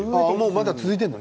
まだ続いているの？